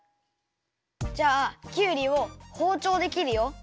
じゃあきゅうりをほうちょうできるよ。